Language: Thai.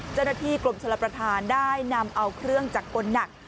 เจ้าหน้าที่กรมชลประธานได้นำเอาเครื่องจักรกลหนัก